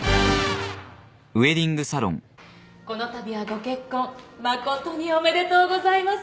このたびはご結婚誠におめでとうございます。